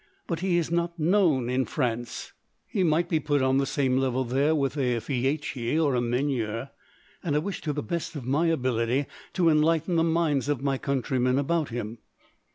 But he is not known in France; he might be put on the same level there with a Fieschi or a Meunier, and I wish, to the best of my ability, to enlighten the minds of my countrymen about him."